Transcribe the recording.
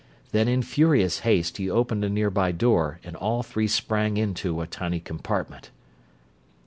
Then in furious haste he opened a nearby door and all three sprang into a tiny compartment.